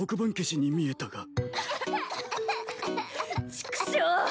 チックショー！